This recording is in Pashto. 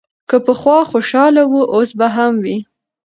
که پخوا خوشاله و، اوس به هم وي.